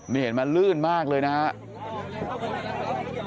นี่เห็นไหมลื่นมากเลยนะครับ